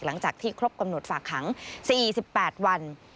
หลังจากที่ครบกำหนดฝากขัง๔๘วัน